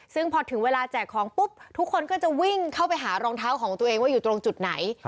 ซึ่งพอถึงเวลาแจกของปุ๊บทุกคนก็จะวิ่งเข้าไปหารองเท้าของตัวเองว่าอยู่ตรงจุดไหน